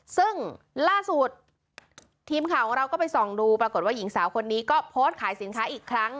ซึ่งล่าสุดทีมข่าวของเราก็ไปส่องดูปรากฏว่าหญิงสาวคนนี้ก็โพสต์ขายสินค้าอีกครั้ง